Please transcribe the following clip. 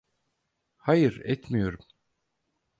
Hayır, etmiyorum.